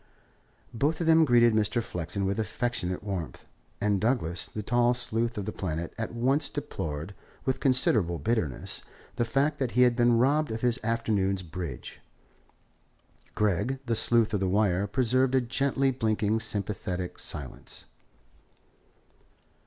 Both of them greeted Mr. Flexen with affectionate warmth, and Douglas, the tall sleuth of the Planet, at once deplored, with considerable bitterness, the fact that he had been robbed of his afternoon's bridge. Gregg, the sleuth of the Wire, preserved a gently blinking, sympathetic silence.